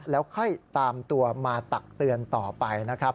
แล้วค่อยตามตัวมาตักเตือนต่อไปนะครับ